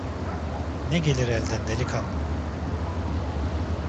Ne gelir elden delikanlı?